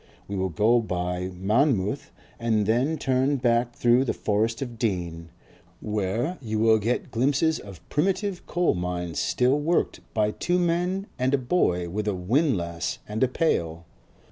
We will go by Monmouth and then turn back through the Forest of Dean, where you will get glimpses of primitive coal mines still worked by two men and a boy with a windlass and a pail.